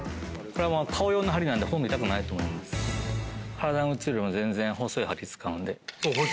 体の治療よりも全然細い鍼使うんで。